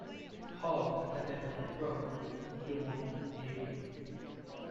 Hall attended the prom with Dumond that evening.